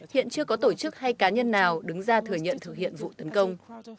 hiện chưa có tổ chức hay cá nhân nào đứng ra thừa nhận thực hiện vụ tấn công